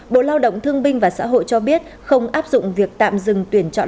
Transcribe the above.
bộ lao động thương binh và xã hội cho biết không áp dụng việc tạm dừng tuyển chọn